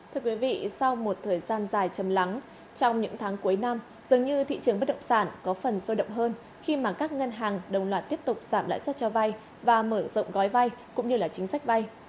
thưa quý vị sau một thời gian dài chầm lắng trong những tháng cuối năm dường như thị trường bất động sản có phần sôi động hơn khi mà các ngân hàng đồng loạt tiếp tục giảm lãi suất cho vay và mở rộng gói vai cũng như là chính sách vay